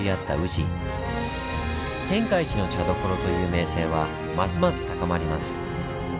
「天下一の茶どころ」という名声はますます高まります。